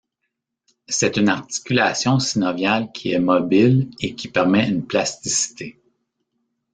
C'est une articulation synoviale qui est mobile et qui permet une plasticité.